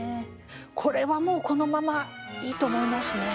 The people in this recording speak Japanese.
これはもうこのままいいと思いますね。